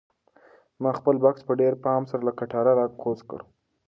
ما خپل بکس په ډېر پام سره له کټاره راکوز کړ.